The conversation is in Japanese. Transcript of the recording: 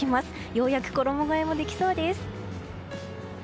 ようやく衣替えもできそうです。